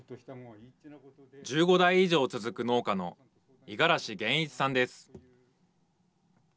１５代以上続く農家の五十嵐源一さんです